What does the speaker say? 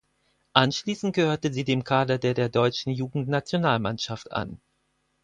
Anschließend gehörte sie dem Kader der der deutschen Jugendnationalmannschaft an.